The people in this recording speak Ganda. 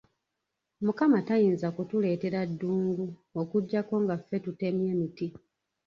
Mukama tayinza kutuleetera ddungu okuggyako nga ffe tutemye emiti.